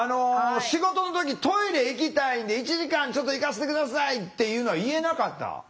仕事の時「トイレ行きたいんで１時間ちょっと行かせて下さい」っていうのは言えなかった？